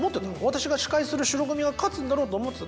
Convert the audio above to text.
私が司会する白組は勝つんだろうと思ってた。